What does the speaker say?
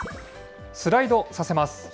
スライドさせます。